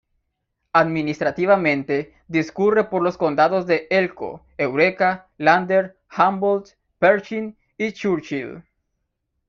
Administrativamente, discurre por los condados de Elko, Eureka, Lander, Humboldt, Pershing y Churchill.